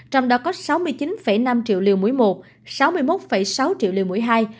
trong đó có sáu mươi chín năm triệu liều mũi một sáu mươi một sáu triệu liều mũi hai